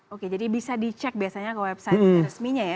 oke jadi bisa dicek biasanya ke website resminya ya